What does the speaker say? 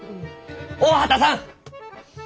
大畑さん！